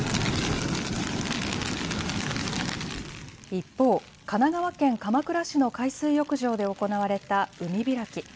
一方、神奈川県鎌倉市の海水浴場で行われた海開き。